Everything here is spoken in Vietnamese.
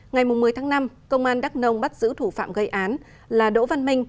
ngày một mươi tháng năm công an đắk nông bắt giữ thủ phạm gây án là đỗ văn minh